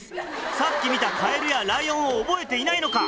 さっき見たカエルやライオンを覚えていないのか？